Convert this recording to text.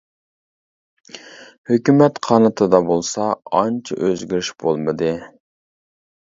ھۆكۈمەت قانىتىدا بولسا ئانچە ئۆزگىرىش بولمىدى.